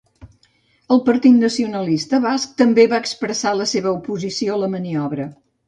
El Partit Nacionalista Basc també va expressar la seva oposició a la maniobra.